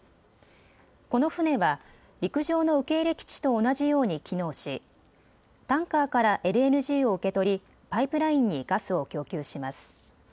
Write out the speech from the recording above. この船は陸上の受け入れ基地と同じように機能しタンカーからＬＮＧを受け取りパイプラインにガスを供給します。